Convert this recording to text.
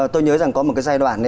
tôi nhớ rằng có một cái giai đoạn